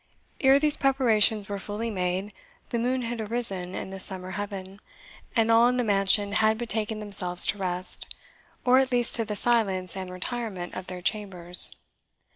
Ere these preparations were fully made, the moon had arisen in the summer heaven, and all in the mansion had betaken themselves to rest, or at least to the silence and retirement of their chambers.